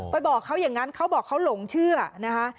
บอกเขาอย่างนั้นเขาบอกเขาหลงเชื่อนะคะ